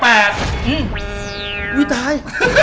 อื้ออุ้ยตาย